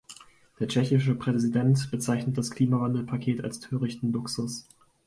Der tschechische Präsident bezeichnet das Klimawandelpaket als törichten Luxus.